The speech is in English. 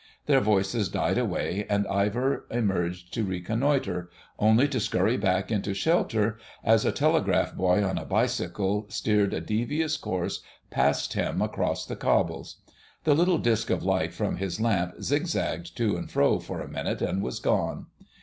Their voices died away, and Ivor emerged to reconnoitre, only to scurry back into shelter as a telegraph boy on a bicycle steered a devious course past him across the cobbles. The little disc of light from his lamp zigzagged to and fro for a minute and was gone.